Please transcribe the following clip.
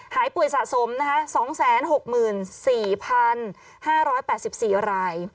หายป่วยสะสมนะคะ๒๖๔๕๘๔ราย